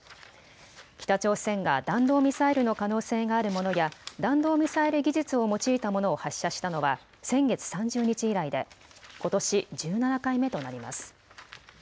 北朝鮮が弾道ミサイルの可能性があるものや弾道ミサイル技術を用いたものを発射したのは先月３０日以来でことし１７回目となります。